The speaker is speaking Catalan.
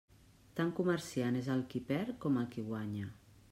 Tan comerciant és el qui perd com el qui guanya.